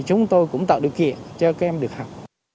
chúng tôi cũng tạo điều kiện cho các em được học